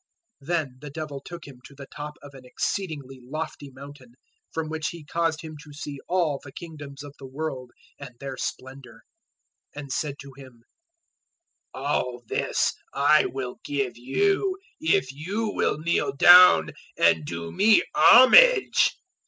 '" 004:008 Then the Devil took Him to the top of an exceedingly lofty mountain, from which he caused Him to see all the Kingdoms of the world and their splendour, 004:009 and said to Him, "All this I will give you, if you will kneel down and do me homage."